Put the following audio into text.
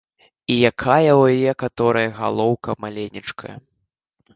І якая ў яе каторай галоўка маленечкая!